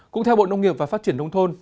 cũng theo bộ nông nghiệp và phát triển nông thôn